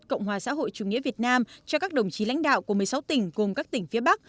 cộng hòa xã hội chủ nghĩa việt nam cho các đồng chí lãnh đạo của một mươi sáu tỉnh gồm các tỉnh phía bắc